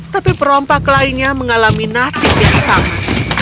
tapi perompak lainnya mengalami nasib yang sama